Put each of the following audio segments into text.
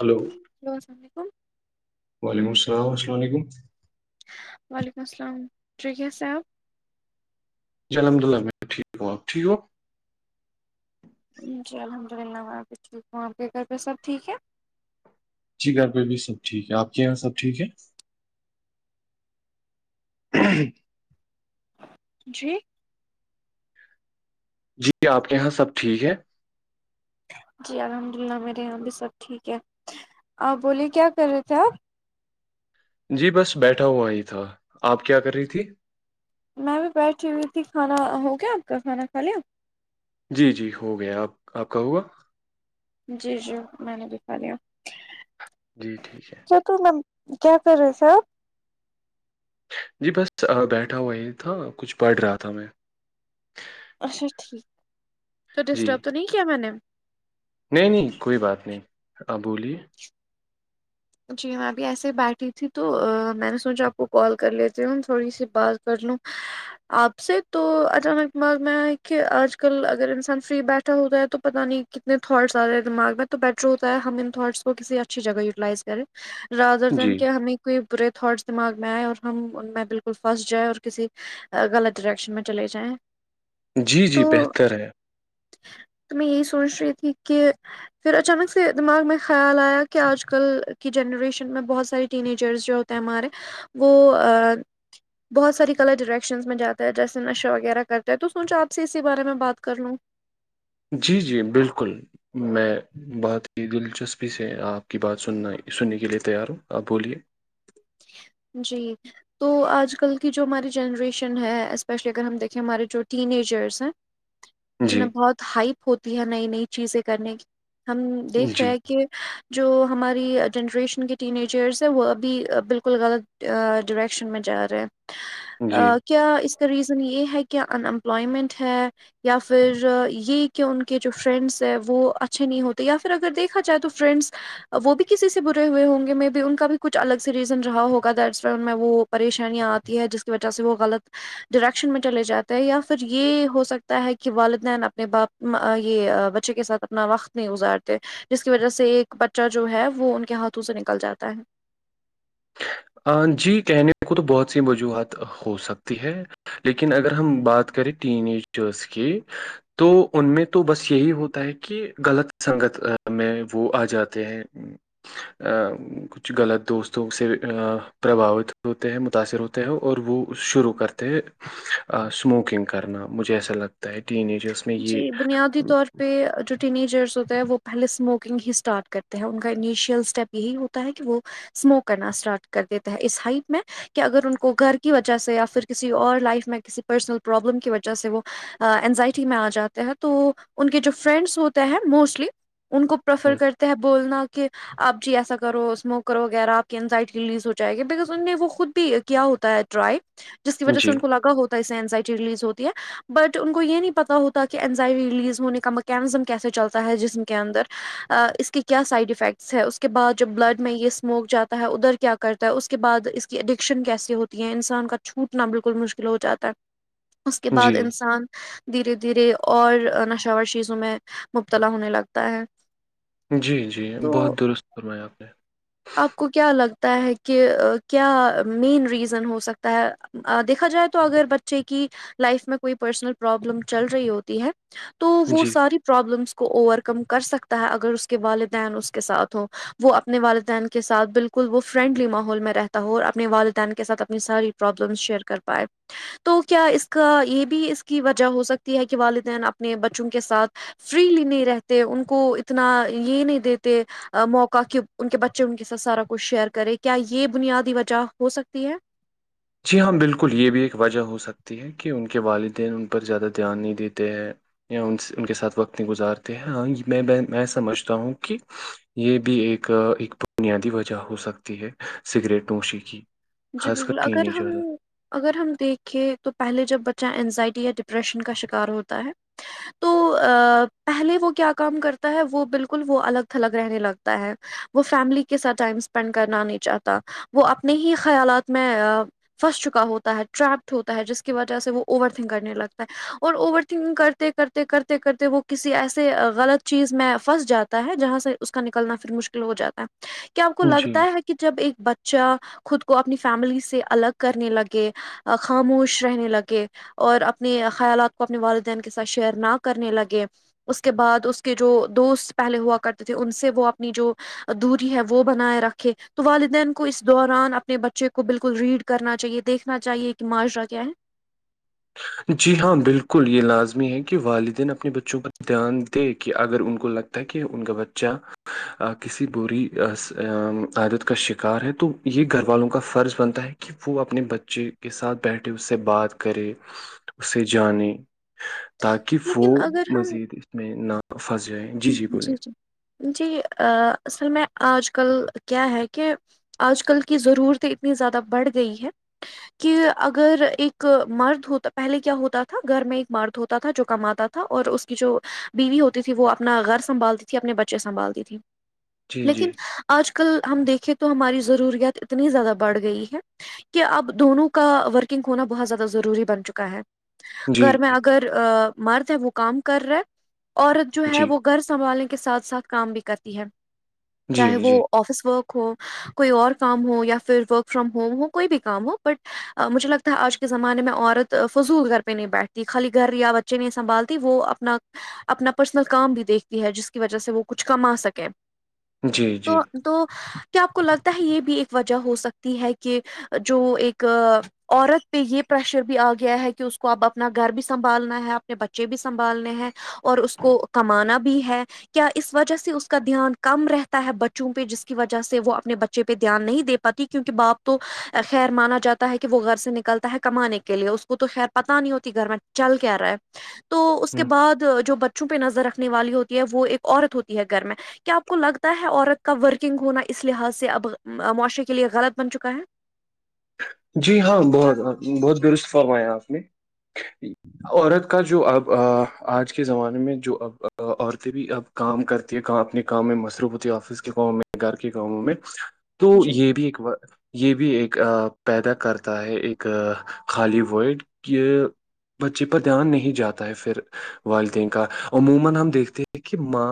hello ہیلوسلام علیکم وعلیکم السلام علیکم وعلیکم السلام ٹھیکہ صاحب جی الحمد للہ میں ٹھیک ہوں آ ٹھیک ہ ہو اا الحمد للہ میں آپ ٹھیک ہوں آپ کے گھر پہ سب ٹھیک ہے جچی گھر پہ بھی سب ٹھیک ہے آپ کے یہاں سب ٹھیک ہے [unintelligible] جی جی آپ کے یہاں سب ٹھیک ہے جی الحمد للہ میرے یہاں بھی سب ٹھیک ہے آ بولیے کیا کر رہے تھے آپ جی بس بیٹھا ہوا ہی تھا آپ کیا کر رہی تھی میں بھیھی بیٹھی ہوئی تھی کھانا ہو گیا آپ کا کھانا کھا لیا جی جی ہو گیا آپ آپ کا ہوگا جی جی میں نے دکھا دیا جی ٹھیک ہے کیا ت میں کیا کر رہس جی بس بیٹھا ہوا ہی تھا کچھ پڑھ رہا تھا میں اچھا ٹھیک تو جی ڈسٹرب تو نہیں کیا میں نے نہیں نہیں کوئی بات نہیں آپ بولیے جی میں ابھی ایسے ہی بیٹھی تھی تو میں نے سوچا آپ کو کال کر لیتی ہوں تھوڑی سی بات کر لوں آپ سے تو اچانک مل میں ہے کہ آج کل اگر انسان فری بیٹھا ہوتا ہے تو پتہ نہیں کتنے تھٹسیا رہے ہیں دماغ میں تو بیٹر ہوتا ہے ہم ان تھٹ کو کسی اچھی جگہ یوٹیلائز رر جی دن کے ہمیں کوئی برے تھٹس دماغ میں آئے اور ہم ان میں بالکل پھنس جائیں اور کسی غلط ڈریکشن میں چلے جائیں جی جی تو بہتر ہے [unintelligible] تو میں یہی سوچ رہی تھی کہ پھر اچانک سے دماغ میں خیال آیا کہ آج کل کی جنریشن میں بہت ساری ٹینیجرس جو ہوتے ہیں ہمارے وہ بہت ساری کلر ڈائریکشنس میں جات ہے جیسے نشہ وغیرہ کرتے ہیں تو سوچو آ سے اسی بارے میں بات کر لوں جی جی بالکل میں بات کی دلچسپی سے آپ کی بات سننا سننے کے لیے تیار ہوں آپ بولیے جی تو آج کل کی جو ہماری جنریشن ہے اسپیشلی اگر ہم دیکھیں ہمارے جو ٹین ایجرس ہیں جی جنہیں بہت ہائپ ہوتی ہے نئی نئی چیزیں کرنے کی ہم دیکھ رہے جی ہیں کہ کہ جو ہماری جنریشن کے ین ایجرس ہیں وہ ابھی بالکل ل غلط ڈریکشن میں جا رہے جی کیا اس کا ریزن یہ ہے کہ ان امپلائمنٹ ہے یا پھر یہ کہ ان کے جو فرینڈس ہے وہ اچھے نہیں ہوتے یا پھر اگر دیکھا جائے تو فرینڈس وہ بھی کسی سے برے ہوئے ہوں گے میں بھی ان کا بھی کچھ الگ سے ریز رہا ہوگا د اس ف میں وہ پریشانیاں آتی ہے جس کی وجہ سے وہ غلط ڈائریکشن میں چلے جاتے ہیں یا پھر یہ ہو سکتا ہے کہ والدین اپنے باپ یہ بچے کے ساتھ اپنا وقت نہیں گزارتے جس کی وجہ سے ایک بچہ جو ہے وہ ان کے ہاتھوں سے نکل جاتا ہے جی کہنے کو تو بہت سی وجوہات ہو سکتی ہے لیکن اگر ہم بات کریں ٹین ایجرس کی تو ان میں تو بس یہی ہوتا ہے کہ غلط سنگت میں وہ آ جاتے ہیں ا کچھ غلط دوستوں سے پربھاوت ہوتے ہیں متاثر ہوتے ہیں اور وہ شروع کرتے ہیں اسموکنگ کرنا مجھے ایسا لگتا ہے ٹین ایجس میں یہ جی بنیادی طور پہ جو ٹین ایجرس ہوتے ہیں وہ پہلے اسموکنگ ہی اسٹارٹ کرتے ہیں ان کا انیشیل اسٹیپ یہی ہوتا ہے کہ وہ اسموک کرنا اسٹارٹ کر دیتے ہیں اس ہائٹ میں کہ اگر ان کو گھر کی وجہ سے یا پھر کسی اور لائف میں کسی پرسنل پرابلم کی وجہ سے وہ اینزائٹی میں آ جاتے ہیں تو ان کے جو فرینڈس ہوتے ہیں موسٹلی ان کو پریفر کرتے ہیں بولنا کہ آپ جی ایسا کرو اسموک کرو وغیرہ آپ کی انزائٹی ریلیز ہو جائے گی بکز ان نے وہ خود بھی کیا ہوتا ہے ڈرائی جس کی وجہ جی سے ان کو لگا ہوتا ہے اس سے اینزائٹی ریلیز ہوتی ہے بٹ ان کو یہ نہیں پتا ہوتا کہ اینزائٹی ریلیز ہونے کا میکینزم کیسے چلتا ہے جسم کے اندر اس کے کیا سائڈ افیکٹس ہے اس کے بعد جب بلڈ میں یہ اسموک جاتا ہے ادھر کیا کرتا ہے اس کے بعد اس اڈکشن کیسے ہوتی ہے انسان کا چھوٹنا بالکل مشکل ہو جاتا ہے اس کے جی بعد انسان دھیرے دھیرے اور نشاور شیزوں میں مبتلا ہونے لگتا ہے جی جی تو بہت درست فرمایا آپ نے آپ کو کیا لگتا ہے کہ کیا مین ریزن ہو سکتا ہے دیکھا جائے تو اگر بچے کی لائف میں کوئی پرسنل پرابلم چل رہی ہوتی ہے تو وہ جی ساری پرابلمس کو اوور کم کر سکتا ہے اگر اس کے والدین اس کے ساتھ ہو وہ اپنے والدین والدین کے ساتھ بالکل وہ فرینڈلی ماحول میں رہتا ہو اور اپنے والدین کے ساتھ اپنی ساری پرابلمس شیئر کر پائے تو کیا اس کا یہ بھی اس کی وجہ ہو سکتی ہے کہ والدین اپنے بچوں کے ساتھ فریلی نہیں رہتے ان کو اتنا یہ نہیں دیتے موقع کہ ان کے بچے ان کے ساتھ سارا کچھ شیئر کرے کیا یہ بنیادی وجہ ہو سکتی ہے جی ہاں بالکل یہ بھی ایک وجہ ہو سکتی ہے کہ ان کے والدین ان پر زیادہ دھیان نہیں دیتے ہیں یا ان سے ان کے ساتھ وقت نہیں گزارتے ہیں ہاں میں میں سمجھتا ہوں کہ یہ بھی ایک ایک بنیادی وجہ ہو سکتی ہے سگریٹ نوشی کی جی خاص کر بالکل ٹین اگر ہم ایجر اگر ہم دیکھیں تو پہلے جب بچہ اینزائٹی یا ڈپریشن کا شکار ہوتا ہے تو پہلے وہ کیا کام کرتا ہے وہ بالکل وہ الگ تھلگ رہنے لگتا ہے وہ فیملی کے ساتھ ٹائم اسپینڈ کرنا نہیں چاہتا وہ اپنے ہی خیالات میں پھنس چکا ہوتا ہے ٹرپڈ ہوتا ہے جس کی وجہ سے وہ اوور تھنک کرنے لگتا ہے اور اوور تھنکگ کرتے کرتے کرتے کرتے وہ کسی ایسے غلط چیز میں پھنس جاتا ہے جہاں سے اس کا نکلنا پھر مشکل ہو جاتا ہے کیا آپ کو جی لگتا ہے کہ جب ایک بچہ خود کو اپنی فیملی سے الگ کرنے لگے خاموش رہنے لگے اور اپنے خیالات کو اپنے والدین کے ساتھ شیئر نہ کرنے لگے اس کے بعد اس کے جو دوست پہلے ہوا کرتے تھے ان سے وہ اپنی جو دوری ہے وہ بنائے رکھے تو والدین کو اس دوران اپنے بچے کو بالکل ریڈ کرنا چاہیے دیکھنا چاہیے کہ معاشرہ کیا ہے جی ہاں بالکل یہ لازمی ہے کہ والدین اپنے بچوں پر دھیان دے کہ اگر ان کو لگتا تاکہ ان کا بچہ کسی بری عادت کا شکار ہے تو یہ گھر والوں کا فرض بنتا ہے کہ کہ وہ اپنے بچے کے ساتھ بیٹھے اس سے بات کرے اسے جانیں تاکہ وہ لیکن اگر ہم مزید اس میں نہ پھنس جائیں جی جی بولیے جی اصل میں آج کل کیا ہے کہ آج کل کی ضرورتیں اتنی زیادہ بڑھ گئی ہے کہ اگر ایک مرد ہوتا پہلے کیا ہوتا تھا گھر میں ایک مرد ہوتا تھا جو کماتا تھا اور اس کی جو بیوی ہوتی تھی وہ اپنا گھر سنبھالتی تھی اپنے بچے سنبھالتی تھی جی جی لیکن آج کل ہم دیکھیں تو ہماری ضروریات اتنی زیادہ بڑھ گئی ہے کہ اب دونوں کا ورکنگ ہونا بہت زیادہ ضروری بن چکا ہے جی گھر میں اگر مرد ہے وہ کام کر رہا ہے عورت جو ہے جی وہ گھر سنبھالنے کے ساتھ ساتھ کام بھی کرتی ہے جی چاہے وہ جی آفس ورک ہو کوئی اور کام ہو یا پھر ورک فرام ہوم ہو کوئی بھی کام ہو بٹ مجھے لگتا آج کے زمانے میں عورت فضول گھر پہ نہیں بیٹھتی خالی گھر یا بچے نہیں سنبھالتی وہ اپنا اپنا پرسنل کام بھی دیکھتی ہے جس کی وجہ سے وہ کچھ کما سکے جی جی تو تو کیا آپ کو لگتا ہے یہ بھی ایک وجہ ہو سکتی ہے کہ جو ایک عورت پہ یہ پریشر بھی آ گیا ہے کہ اس کو اب اپنا گھر بھی سنبھالنا ہے اپنے بچے بھی سنبھالنے ہیں اور اس کو کمانا بھی ہے کیا اس وجہ سے اس کا دھیان کم رہتا ہے بچوں پہ جس کی وجہ سے وہ اپنے بچے پہ دھیان نہیں دے پاتی کیونکہ باپ تو خیر مانا جاتا ہے کہ وہ گھر سے نکلتا ہے کمانے کے لیے اس کو تو خیر پتا نہیں ہوتی گھر میں چل کیا آ رہا ہے تو اس کے ہ بعد جو بچوں پہ نظر رکھ نے والی ہوتی ہے وہ ایک عورت ہوتی ہے گھر میں کیا آپ کو لگتا ہے عورت کا ورکنگ ہونا اس لحاظ سے اب معاشرے کے لیے غلط بن چکا ہے جی ہاں بہت بہت درست فرمایا آپ نے عورت کا جو اب آج کے زمانے میں جو اب عورتیں بھی اب کام کرتی ہے کہاں اپنے کام میں مصروف ہوتی ہے آفس کے کاموں میں گھر کے کاموں میں تو جی یہ بھی ایک یہ بھی ایک پیدا کرتا ہے ایک خالی ورڈ کہ بچے پر دھیان نہیں جاتا ہے پھر والدین کا عموما ہم دیکھتے ہیں کہ ماں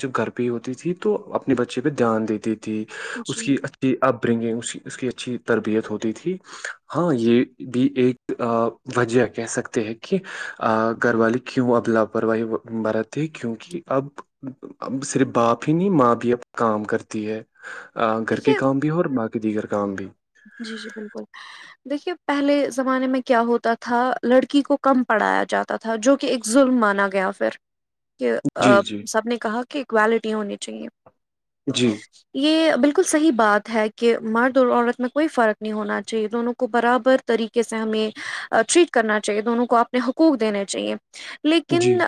جو گھر پے ہوتی تھی تو اپنے بچے پہ دھیان دیتی تھی جی اس کی اچھی اپ برنگنگ اس کی اس کی اچھی تربیت ہوتی تھی ہاں یہ بھی ایک وجہ کہہ سکتے ہیں کہ گھر والی کیوں اب لاپرواہی برتے ہے کیونکہ اب صرف باپ ہی نہیں ماں بھی اب کام کرتی ہے گھر کے دیکھیے کام بھی اور باقی دیگر کام بھی جی جی بالکل دیکھیے پہلے زمانے میں کیا ہوتا تھا لڑکی کو کم پڑھایا جاتا تھا جو کہ ایک ظلم مانا گیا پھر کہ جی جی سب نے کہا کہ اوالٹی ہونی چاہیے جی یہ بالکل صحیح بات ہے کہ مرد اور عورت میں کوئی فرق نہیں ہونا چاہیے دونوں کو برابر طریقے سے ہمیں ٹریٹ کرنا چاہیے دونوں کو آپ حقوق دینے چاہیے لیکن جی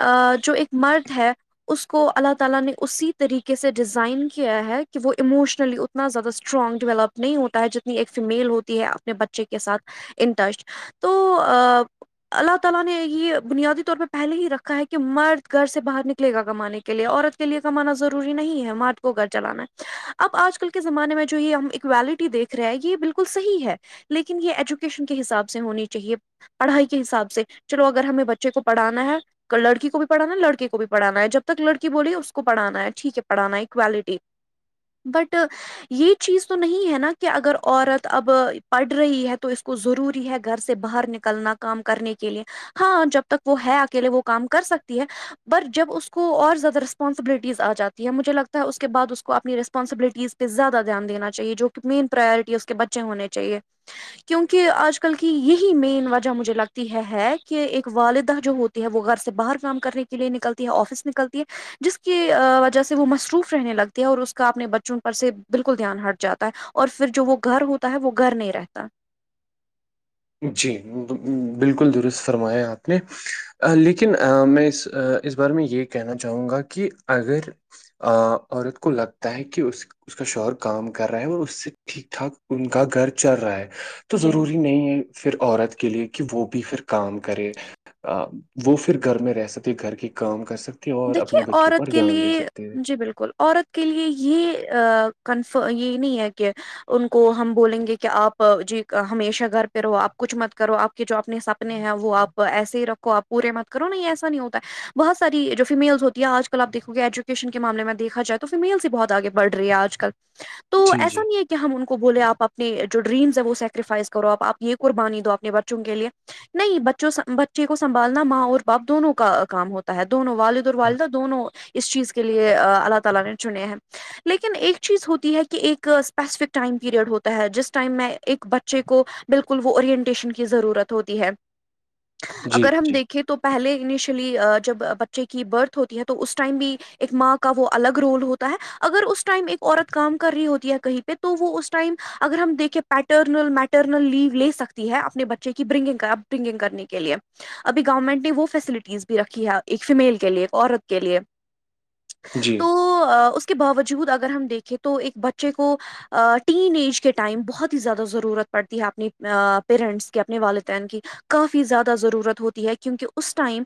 جو ایک مرد ہے اس کو اللہ تعالی نے اسی طریقے سے ڈیزائن کیا ہے کہ وہ اموشنلی اتنا زیادہ اسٹرانگ ڈیولپ نہیں ہوتا ہے جتنی ایک فیمیل ہوتی ہے اپنے بچے کے ساتھ ان ٹچ تو آ اللہ تعالی نے یہ بنیادی طور پہ پہلے ہی رکھا ہے کہ مرد گھر سے باہر نکلے گا کمانے کے لیے عورت کے لیے کمانا ضروری نہیں ہے مارٹ کو گھر چلانا اب آج کل کے زمانے میں جو ہے ہم کوالٹی دیکھ رہا ہے یہ بالکل صحی ہے لیکن یہ ایجوکیشن کے حساب سے ہونی چاہیے پڑھائی کے حساب سے چلو اگر ہمیں بچے کو پڑھانا ہے لڑکی کو بھی پڑھانا ہے لڑکے کو بھی پڑھانا ہے جب تک لڑکی بلی اس کو پڑھانا ہے ٹھیک ہے پڑھانا ہے ایکوالٹی بٹ یہ چیز تو نہیں ہے نا کہ اگر عورت اب پڑھ رہی ہے تو اس کو ضروری ہے گھر سے باہر نکلنا کام کرنے کے لیے ہاں جب تک وہ ہے اکیلے وہ کام کر سکتی ہے پر جب اس کو اور زیادہ رسپانسبلٹیز آ جاتی ہے مجھے لگتا ہے اس کے بعد اس کو اپنی رسپانسبلٹیز زیادہ دھیان دین چاہے جو کہ مین پرورٹی اس کے بچے ہونے چاہیے کیونکہ آج کل کی یہی مین وجہ مجھے لگتی ہے کہ ایک والدہ جو ہوتی ہے وہ گھر سے باہر کام کرنے کے لیے نکلتی ہے آفس نکلتی ہے جس کی وجہ سے وہ مصروف رہنے لگتی ہے اور اس کا اپنے بچوں پر سے بالکل دھیان ہٹ جاتا ہے اور پھر جو وہ گھر ہوتا ہے وہ گھر نہیں رہتا جی بالکل درست فرمایا آپ نے لیکن میں اس اس بارے میں یہ کہنا چاہوں گا کہ اگر عورت کو لگتا ہے کہ اس اس کا شوہر کام کر رہا ہے اور اس سے ٹھیک ٹھاک ان کا گھر چل رہا ہے تو جی ضروری نہیں ہے پھر عورت کے لیے کہ وہ بھی پھر کام کرے وہ پھر گھر میں رہ سکتے گھر کے کام کر سکتے اور دیکھیے اپنے بچوں عورت پر کے دھیان دے لیے سکتے ہیں جی بالکل عورت کے لیے یہ کنفر یہ نہیں ہے کہ ان کو ہم بولیں گے کہ آپ جی ہمیشہ گھر پہ رہو آپ کچھ مت کرو آپ کے جو اپنے حاب ہیں وہ آپ ایس ہی رکھو آپ پورے مت کرو نہیں ایسا نہیں ہوتا ہے بہت ساری جو فیمیلس ہوتی ہے آج کل آپ دیکو گے ایجوکیشن کے معامے میں دیکھا جائے تو فیمیلس ہی بہت آگے بڑ رہی ہے آج کل تو جی ایسا جی نہیں ہے کہ ہم ان کو بولے آپ اپنے جو ڈریمس ہیں وہ سیکریفائس کرو آپ یہ قربانی دو اپنے بچوں کے لیے نہیں بچوں بچے کو سنبھالنا ماں اور باپ دونوں کا کام ہوتا ہے دونوں والد والدہ دونوں اس چیز کے لیے اللہ تعالی نے چنے ہیں لیکن ایک چیز ہوتی ہے کہ ایک اسپیسیفک ٹائم پیریڈ ہوتا ہے جس ٹائم میں ایک بچہ بچے کو بالکل وہ اورینٹیشن کی ضرورت ہوتی ہے جی اگر ہم جی دیکھیں تو پہلے انیشلی جب بچے کی برتھ ہوتی ہے تو اس ٹائم بھی ایک ماں کا وہ الگ رول ہوتا ہے اگر اس ٹائم ایک عورت کام کر رہی ہوتی ہے کہیں پہ تو وہ اس ٹائم اگر ہم دیکھے پیٹرنل میٹرنل لیو لے سکتی ہے اپنے بچے کی برنگنگ کا اب نگنگ کرنے کے لیے ابھی گورنمنٹ نے وہ فیسلٹیز بھی رکھی ہے ایک فیمیل کی کے لیے عورت کے لیے جی تو اس کے باوجود اگر ہم دیکھیں تو ایک بچے کو ٹین ایج کے ٹائم بہت ہی زیادہ ضرورت پڑتی ہے اپنی پیرنٹس کی اپنے والدین کی کافی زیادہ ضرورت ہوتی ہے کیونکہ اس ٹائم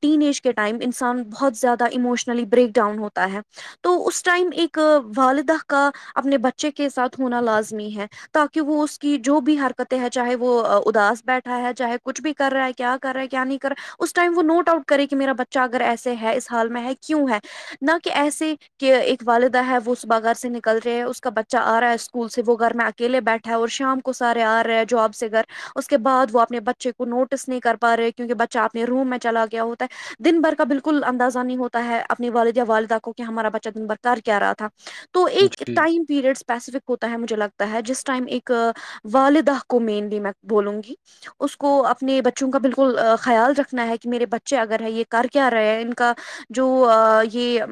ٹین ایج کے ٹائم انسان بہت زیادہ ایموشنلی بریک ڈاؤن ہوتا ہے تو اس ٹائم ایک والدہ کا اپنے بچے کے ساتھ ہونا لازمی ہے تاکہ وہ اس کی جو بھی حرکتیں ہیں چاہے وہ اداس بیٹھا ہے چاہے کچھ بھی کرا ہے کیا کر رہ ہے کیا نہیں رہا ہے اس ٹائم وہ نوٹ آؤٹ کرے کہ میرا بچہ چاگر ایسے ہے اس حال میں ہے کیوں ہے نہ کہ ایسے کہ ایک والدہ ہے وہ صبح گھر سے نکل رہے ہے اس کا بچہ آ رہا ہے اسکول سے وہ گھر میں کیلے بیٹھا ہے اور شام کو سارے آ رہے جاب سے گھر اس کے بعد وہ اپنے بچے کو نوٹس نہیں کر پا رہے کیونکہ بچہ اپنے روم میں چلا گیا ہوتا ہے دن بھر کا بالکل اندازہ نہیں ہوتا ہے اپنی والد یا والدہ کو کہ ہمارا بچہ دن بھر کر کیا رہا تھا تو ایک جی ٹائم پیریڈ اسپیسیفک ہوتا ہے مجھے لگتا ہے جس ٹائم ایک والدہ کو مینلی میں بولوں گی اس کو اپنے بچوں کا بالکل خیال رکھنا ہے کہ میرے بچے اگر ہے یہ کر کیا رہے ہیں ان کا جو یہ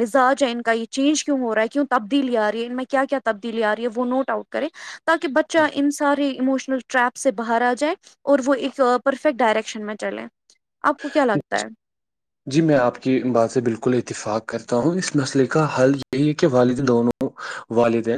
مزاج ہے ان کا یہ چینج کیوں ہو رہا ہے کیوں تبدیلی آ رہی ہے ان میں کیا کیا تبدیلی آ رہی ہے وہ نوٹ آؤٹ کرے تاکہ بچہ جی ان سے سارے اموشنل ٹرپ سے باہر آ جائیں اور وہ ایک پرفیکٹ ڈائریکشن میں چلے آپ کو کیا لگتا ہے جی میں آپ کی بات سے بالکل اتفاق کرتا ہوں اس مسئلے کا حل یہی ہے کہ والدین دونوں والدین